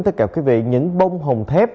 tất cả quý vị những bông hồng thép